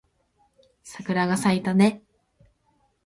桜が咲いたね